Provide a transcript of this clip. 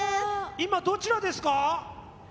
今どちらですか？